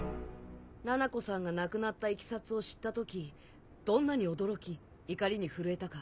ななこさんが亡くなったいきさつを知った時どんなに驚き怒りに震えたか